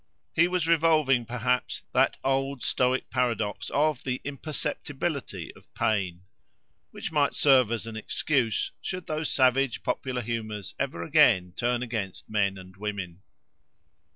He was revolving, perhaps, that old Stoic paradox of the Imperceptibility of pain; which might serve as an excuse, should those savage popular humours ever again turn against men and women.